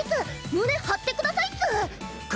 胸張ってくださいっス！か